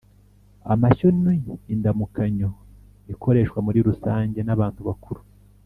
amashyo ni indamukanyo ikoreshwa muri rusange n‘abantu bakuru